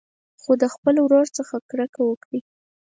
خو د خپل ورور څخه کرکه وکړي.